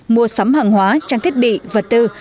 mua sắm hàng hóa trang thiết bị vật tư